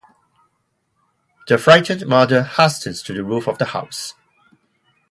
The frightened mother hastens to the roof of the house.